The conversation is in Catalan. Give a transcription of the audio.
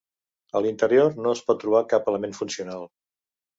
A l'interior no es pot trobar cap element funcional.